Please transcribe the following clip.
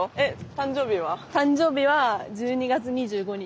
誕生日は１２月２５日。